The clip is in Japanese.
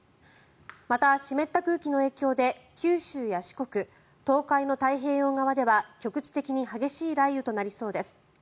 また、湿った空気の影響で九州や四国東海の太平洋側では、局地的に激しい雷雨となりそうです。